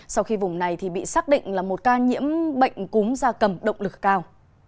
sau khi vùng này bị xác định là một ca nhiễm bệnh cúm da cầm động lực cao